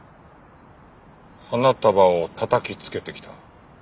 花束をたたきつけてきた。